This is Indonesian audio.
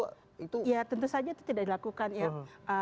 ya tentu saja itu tidak dilakukan ya